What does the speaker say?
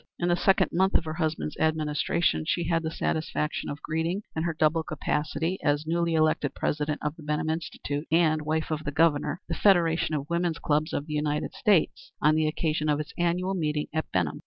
In the second month of her husband's administration, she had the satisfaction of greeting, in her double capacity as newly elected President of the Benham Institute and wife of the Governor, the Federation of Women's Clubs of the United States, on the occasion of its annual meeting at Benham.